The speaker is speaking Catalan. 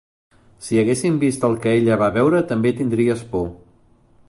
Si haguéssim vist el que ella va veure també tindries por